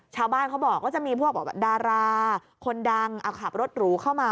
ชาวบ้านเขาบอกว่าจะมีพวกดาราคนดังเอาขับรถหรูเข้ามา